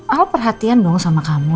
aku perhatian dong sama kamu